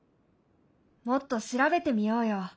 もっと調べてみようよ。